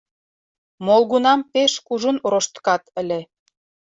Молгунам пеш кужун рошткат ыле.